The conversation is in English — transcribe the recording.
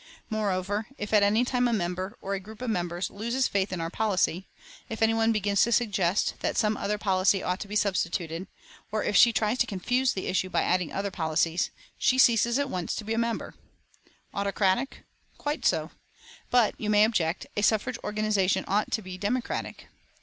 Moreover, if at any time a member, or a group of members, loses faith in our policy; if any one begins to suggest, that some other policy ought to be substituted, or if she tries to confuse the issue by adding other policies, she ceases at once to be a member. Autocratic? Quite so. But, you may object, a suffrage organisation ought to be democratic.